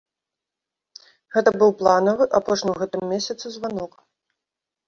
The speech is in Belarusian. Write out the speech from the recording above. Гэта быў планавы, апошні ў гэтым месяцы званок.